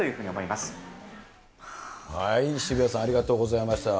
ま渋谷さん、ありがとうございました。